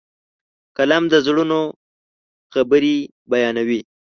قلم د زړونو خبرې بیانوي.